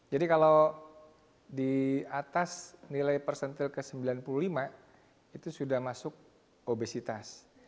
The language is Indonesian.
jadi kalau di atas nilai persentil ke sembilan puluh lima itu sudah masuk obesitas